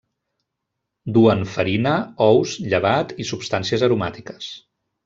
Duen farina, ous, llevat i substàncies aromàtiques.